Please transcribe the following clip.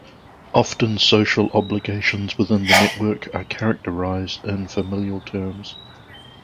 Often social obligations within the network are characterized in familial terms.